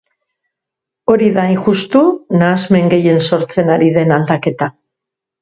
Hori da, hain justu, nahasmen gehien sortzen ari den aldaketa.